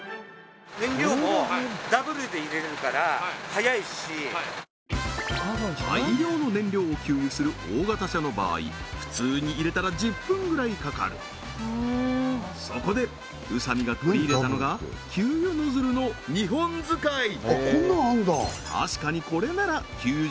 さらに大量の燃料を給油する大型車の場合普通に入れたら１０分ぐらいかかるそこで宇佐美が取り入れたのが給油ノズルの２本使い！